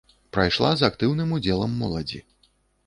Прайшла з актыўным удзелам моладзі.